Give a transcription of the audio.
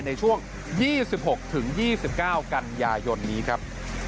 ในช่วง๒๖๒๙กันยายนนี้ครับ